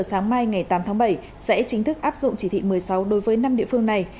kể từ giờ sáng mai ngày tám tháng bảy sẽ chính thức áp dụng chỉ thị một mươi sáu đối với năm địa phương này